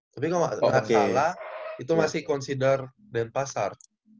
tapi kalau nggak salah itu masih consider dempasar